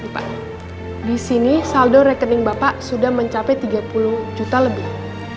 pak di sini saldo rekening bapak sudah mencapai tiga puluh juta lebih